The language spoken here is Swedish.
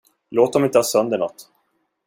Låt dem inte ha sönder nåt.